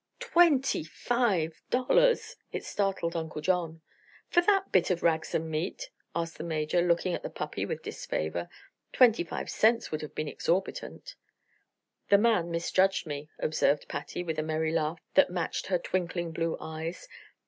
"Twenty five dollars!" It startled Uncle John. "For that bit of rags and meat?" asked the Major, looking at the puppy with disfavor. "Twenty five cents would be exorbitant." "The man misjudged me," observed Patsy, with a merry laugh that matched her twinkling blue eyes.